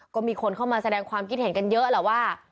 ก็มีคนเข้ามาแสดงความคิดเห็นกันเยอะแหละว่า